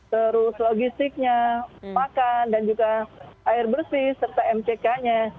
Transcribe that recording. terus logistiknya makan dan juga air bersih serta mck nya